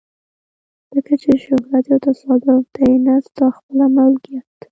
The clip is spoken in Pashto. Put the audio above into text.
ځکه چې شهرت یو تصادف دی نه ستا خپله ملکیت.